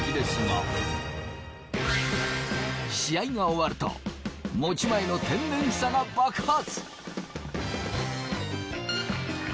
試合が終わると持ち前の天然さが爆発！